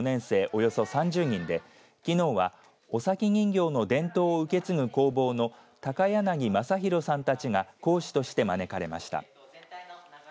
およそ３０人できのうは尾崎人形の伝統を受け継ぐ工房の高柳政廣さんたちが講師として招かれました。